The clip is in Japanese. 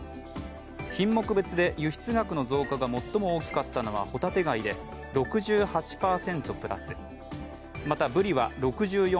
品目別で輸出額の増加が最も大きかったのは帆立て貝で６８％プラス、また、ぶりは６４％